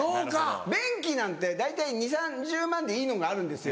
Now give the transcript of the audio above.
便器なんて大体２０３０万円でいいのがあるんですよ。